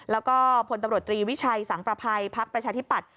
แล้วก็พลตำรวจตรีวิชัยสังประภัยพักประชาธิปัตย